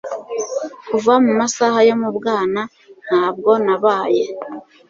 Kuva mu masaha yo mu bwana ntabwo nabaye